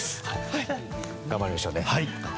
頑張りましょうね。